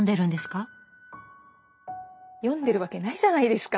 読んでるわけないじゃないですか！